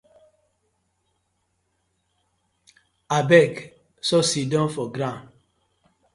Abeg so sidon for ground.